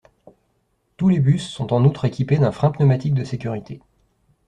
Tous les bus sont en outre équipés d'un frein pneumatique de sécurité.